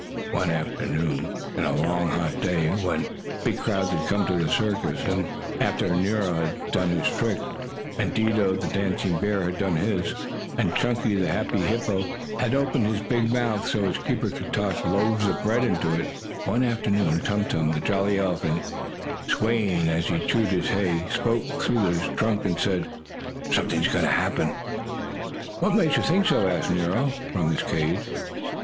One afternoon of a long hot day, when big crowds had come to the circus, and after Nero had done his tricks, and Dido, the dancing bear, had done his, and Chunky, the happy hippo, had opened his big mouth so his keeper could toss loaves of bread into it one afternoon Tum Tum, the jolly elephant, swaying as he chewed his hay, spoke through his trunk and said: "Something is going to happen!" "What makes you think so?" asked Nero, from his cage.